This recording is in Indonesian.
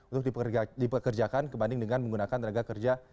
itu tipe kerja dipekerjakan kebanding dengan menggunakan tenaga kerja asing begitu